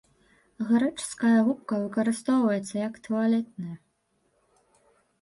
Грэчаская губка выкарыстоўваецца як туалетная.